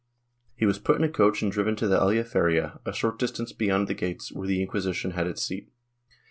He was put in a coach and driven to the Aljaferia, a short distance beyond the gates, where the Inquisition had its seat.